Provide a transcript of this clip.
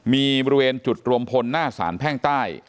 มีบริเวณจุดรวมพลหน้าสารแพ่งใต้